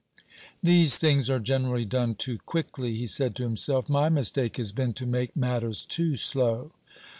"These things are generally done too quickly," he said to himself. "My mistake has been to make matters too slow."